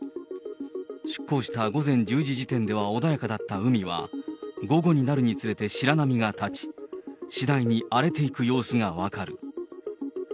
出港した午前１０時時点では穏やかだった海は、午後になるにつれて白波が立ち、次第に荒れていく様子が分かる。